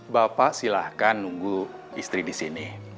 bapak silahkan nunggu istri disini